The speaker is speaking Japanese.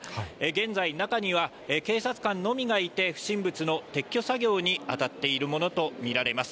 現在、中には警察官のみがいて、不審物の撤去作業に当たっているものと見られます。